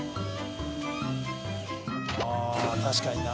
ああ確かにな